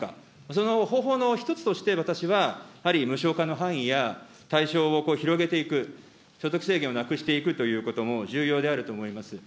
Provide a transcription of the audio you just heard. その方法の一つとして、私はやはり無償化の範囲や、対象を広げていく、所得制限をなくしていくということも重要であると思います。